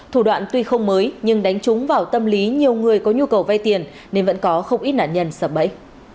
thủ đoạn tuy không mới nhưng đánh trúng vào tâm lý nhiều người có nhu cầu vay tiền nên vẫn có không ít nạn nhân sập bẫy